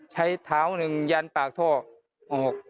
ใช้เท้าหนึ่งยันปากท่อออก